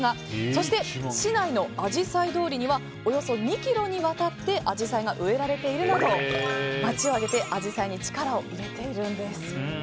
そして市内のあじさい通りにはおよそ２ｋｍにわたってアジサイが植えられているなど街を挙げてアジサイに力を入れているんです。